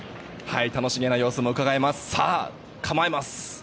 楽しめな様子もうかがえました。